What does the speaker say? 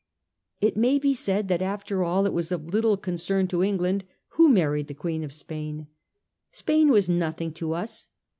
It may be said that after all it was of little concern to England who married the Queen of Spain. Spain was nothing to us.